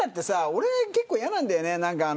これ結構、嫌なんだよね。